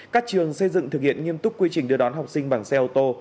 các trường xây dựng thực hiện nghiêm túc quy trình đưa đón học sinh bằng xe ô tô